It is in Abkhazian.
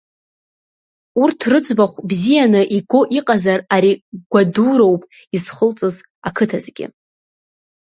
Урҭ рыӡбахә бзианы иго иҟазар ари гәадуроуп изхылҵыз ақыҭазгьы.